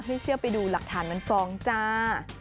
ให้เชื่อไปดูหลักฐานมันฟ้องจ้า